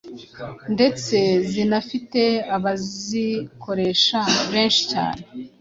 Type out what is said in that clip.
ndetse zinafite abazikoresha benshi cyane.